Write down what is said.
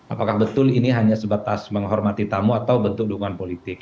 apakah betul ini hanya sebatas menghormati tamu atau bentuk dukungan politik